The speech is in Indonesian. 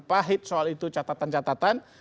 pahit soal itu catatan catatan